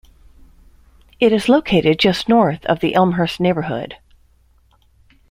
It is located just north of the Elmhurst neighborhood.